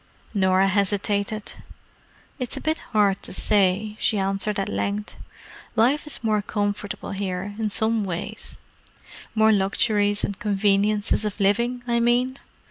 Norah hesitated. "It's a bit hard to say," she answered at length. "Life is more comfortable here, in some ways: more luxuries and conveniences of living, I mean.